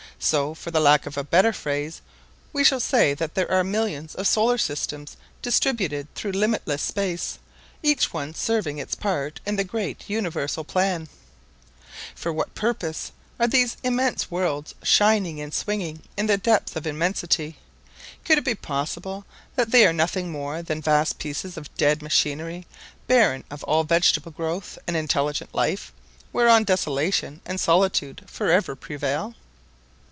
So, for the lack of a better phrase, we shall say that there are millions of solar systems distributed through limitless space, each one serving its part in the great universal plan. For what purpose are all these immense worlds shining and swinging in the depths of immensity? Could it be possible that they are nothing more than vast pieces of dead machinery, barren of all vegetable growth and intelligent life, whereon desolation and solitude forever prevail?